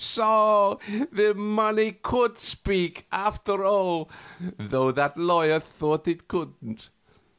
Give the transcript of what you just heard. So the money could speak, after all, though that lawyer thought it couldn't.